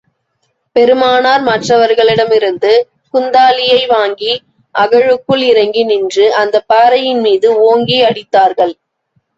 பெருமானார் மற்றவர்களிடமிருந்து குந்தாலியை வாங்கி, அகழுக்குள் இறங்கி நின்று அந்தப் பாறையின் மீது ஓங்கி அடித்தார்கள்.